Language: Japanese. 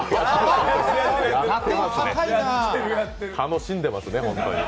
楽しんでますね、本当に。